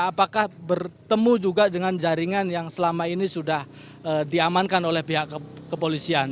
apakah bertemu juga dengan jaringan yang selama ini sudah diamankan oleh pihak kepolisian